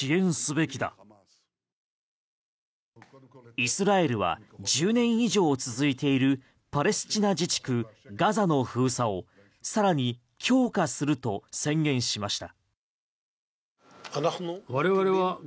イスラエルは１０年以上続いているパレスチナ自治区ガザの封鎖を更に強化すると宣言しました。